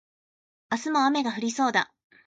明日も雨が降りそうだ